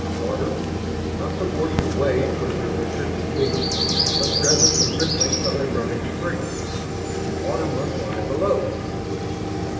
Water! Not the wash of waves with their persistent beat, but rather the rippling of a running stream. Water must lie below!